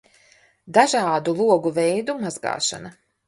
Dažādu logu veidu mazgāšana